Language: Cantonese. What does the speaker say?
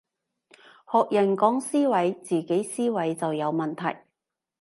學人講思維，自己思維就有問題